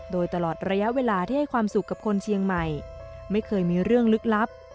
โดยตลอดระยะเวลาที่ให้ความสุขกับคนเชียงใหม่ไม่เคยมีเรื่องลึกลับ